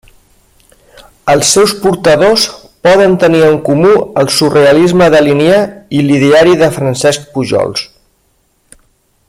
Els seus portadors poden tenir en comú el surrealisme dalinià i l'ideari de Francesc Pujols.